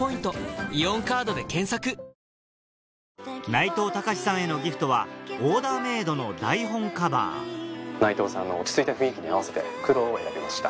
内藤剛志さんへのギフトはオーダーメードの台本カバー内藤さんの落ち着いた雰囲気に合わせて黒を選びました。